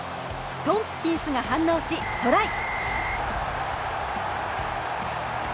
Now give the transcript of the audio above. トンプキンスが反応し、トライ！